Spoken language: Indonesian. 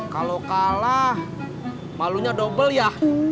kalau kalah malunya double ya